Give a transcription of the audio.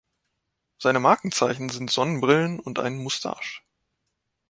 Seine Markenzeichen sind Sonnenbrillen und ein Moustache.